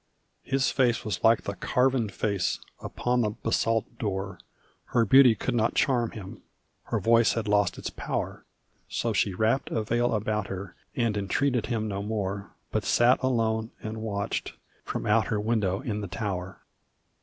His face was like the carven face upon the basalt door; Her beauty could not charm him, her voice had lost its power; So she wrapped a veil about her and entreated him no more But sat alone and watched, from out her window in the tower.